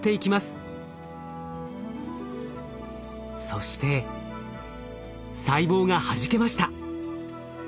そして細胞がはじけました。